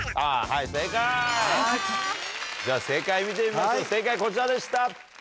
正解見てみましょう正解こちらでした。